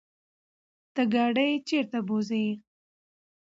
ته ګاډی چرته بوځې؟